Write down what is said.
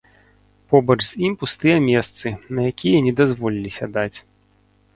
Побач з ім пустыя месцы, на якія не дазволілі сядаць.